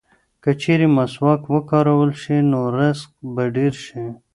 که چېرې مسواک وکارول شي نو رزق به ډېر شي.